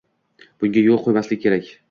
Bunga yo'l qo'ymaslik kerak